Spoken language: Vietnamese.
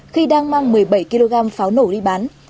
khi đang mang một mươi bảy kg pháo nổ đi bán